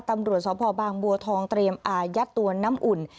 ตำรวจสพบางบัวทองเตรียมอายัดตัวน้ำอุ่น